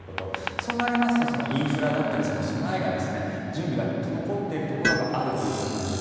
そうなりますとインフラだったり備えが準備が滞っているところがあるということです。